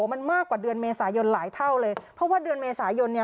มันมากกว่าเดือนเมษายนหลายเท่าเลยเพราะว่าเดือนเมษายนเนี่ย